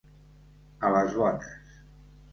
A les bones.